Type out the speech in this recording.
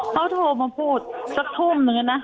เขาโทรมาพูดสักทุ่มหนึ่งนะ